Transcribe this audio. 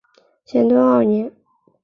咸淳二年。